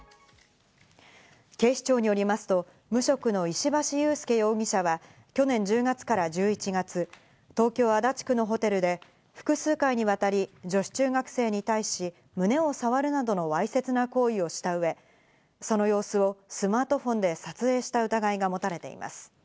警視庁によりますと無職の石橋悠輔容疑者は、去年１０月から１１月、東京・足立区のホテルで複数回にわたり女子中学生に対し、胸を触るなどのわいせつな行為をしたうえ、その様子をスマートフォンで撮影した疑いが持たれています。